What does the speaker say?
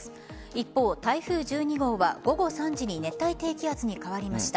一方、台風１２号は午後３時に熱帯低気圧に変わりました。